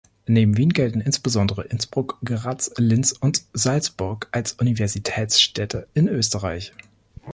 Neben Wien gelten insbesondere Innsbruck, Graz, Linz und Salzburg als Universitätsstädte in Österreich.